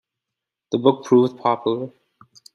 The book proved popular.